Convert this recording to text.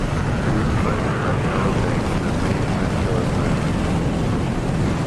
It is divided by shallow banks and has many peninsulas and islands.